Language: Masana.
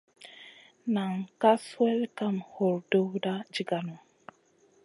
Nan ka swel kam hurduwda jiganou.